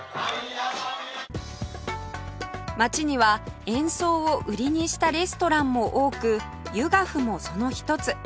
街には演奏を売りにしたレストランも多くユガフもその一つ